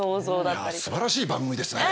いやすばらしい番組ですね。